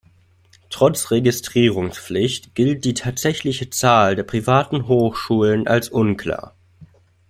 Trotz Registrierungspflicht gilt die tatsächliche Zahl der privaten Hochschulen als unklar.